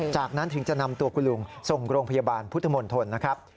จากนั้นถึงจะนำตัวคุณลุงส่งโรงพยาบาลพุทธมนตรนะครับ